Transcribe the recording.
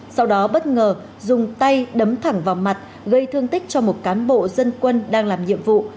sau đó bất ngờ dùng tay đấm thẳng vào mặt gây thương tích cho một cán bộ dân quân đang làm nhiệm vụ